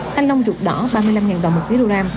thanh long rụt đỏ ba mươi năm đồng một ký